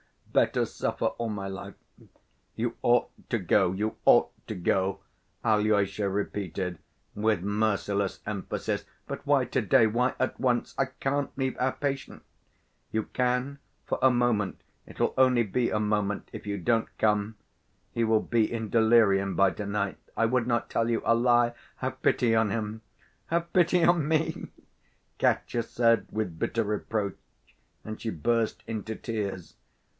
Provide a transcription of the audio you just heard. "Better suffer all my life." "You ought to go, you ought to go," Alyosha repeated with merciless emphasis. "But why to‐day, why at once?... I can't leave our patient—" "You can for a moment. It will only be a moment. If you don't come, he will be in delirium by to‐night. I would not tell you a lie; have pity on him!" "Have pity on me!" Katya said, with bitter reproach, and she burst into tears.